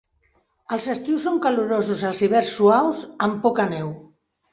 Els estius són calorosos, els hiverns suaus, amb poca neu.